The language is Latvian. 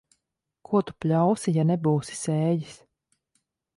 Ko tu pļausi, ja nebūsi sējis.